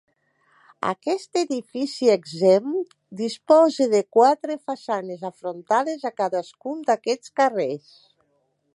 Aquest edifici exempt disposa de quatre façanes afrontades a cadascun d'aquests carrers.